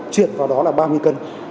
chuyển vào đó là ba mươi cân